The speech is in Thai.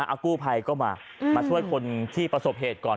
เอากู้ภัยก็มามาช่วยคนที่ประสบเหตุก่อน